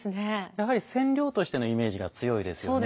やはり染料としてのイメージが強いですよね。